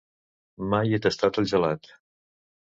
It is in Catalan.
Mai he tastat el gelat.